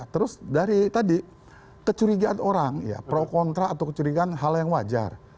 terus dari tadi kecurigaan orang pro kontra atau kecurigaan hal yang wajar